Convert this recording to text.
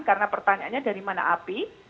karena pertanyaannya dari mana api